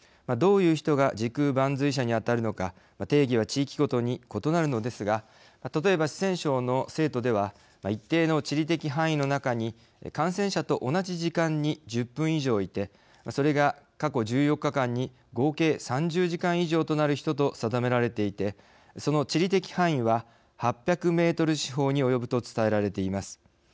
どういう人が時空伴随者に当たるのか定義は、地域ごとに異なるのですが例えば、四川省の成都では一定の地理的範囲の中に感染者と同じ時間に１０分以上いてそれが過去１４日間に合計３０時間以上となる人と定められていてその地理的範囲は８００メートル四方に及ぶと伝えられています。